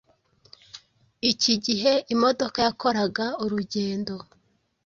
Iki gihe imodoka yakoraga urugendo